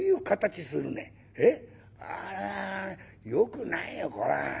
あれはよくないよこれは。